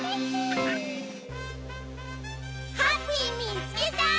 ハッピーみつけた！